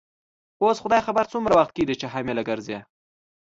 اوس خدای خبر څومره وخت کیږي چي حامله ګرځې.